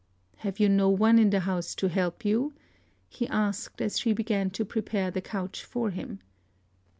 "Have you no one in the house to help you?" he asked, as she began to prepare the couch for him.